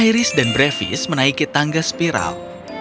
iris dan brevis menaiki tangga spiral